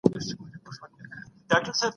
د انقلاب فکري اړخونه د اوسني نسل لخوا څېړل کېږي.